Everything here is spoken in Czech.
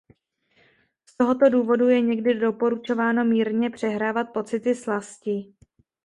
Z tohoto důvodu je někdy doporučováno mírně "přehrávat" pocity slasti.